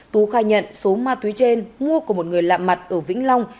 tú khai nhận số ma túy trên mua của một người lạm mặt ở vĩnh long